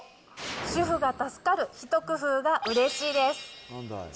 主婦が助かる一工夫がうれしいです。